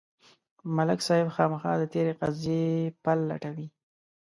ملک صاحب خامخا د تېرې قضیې پل لټوي.